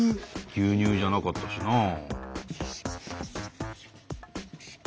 牛乳じゃなかったしなあ。